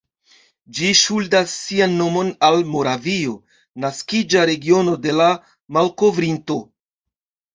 Ĝi ŝuldas sian nomon al Moravio, naskiĝa regiono de la malkovrinto.